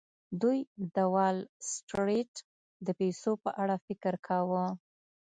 دوی د وال سټریټ د پیسو په اړه فکر کاوه